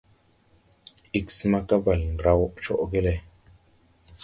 Ig smaga, Bale raw coʼge le.